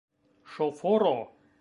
Ŝoforo!